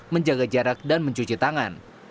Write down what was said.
menjaga jarak dan mencuci tangan